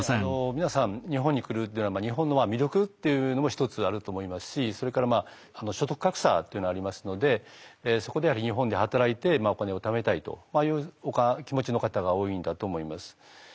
皆さん日本に来るというのは日本の魅力っていうのも一つあると思いますしそれから所得格差っていうのがありますのでそこでは日本で働いてお金をためたいという気持ちの方が多いんだと思います。